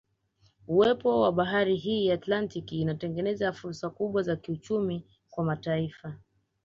Uwepo wa bahari hii ya Atlantiki inatengeneza fursa kubwa za kiuchumi kwa mataifa